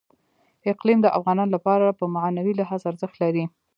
اقلیم د افغانانو لپاره په معنوي لحاظ ارزښت لري.